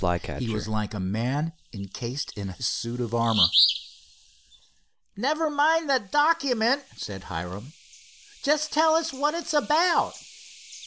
He was like a man encased in a suit of armor. "Never mind the document," said Hiram. "Just tell us what it's about."